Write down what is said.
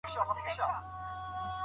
ژورنالیزم پوهنځۍ بې له ځنډه نه پیلیږي.